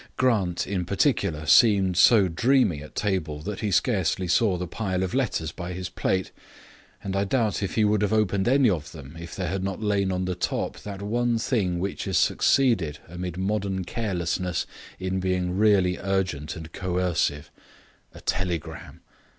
Grant, in particular, seemed so dreamy at table that he scarcely saw the pile of letters by his plate, and I doubt if he would have opened any of them if there had not lain on the top that one thing which has succeeded amid modern carelessness in being really urgent and coercive a telegram.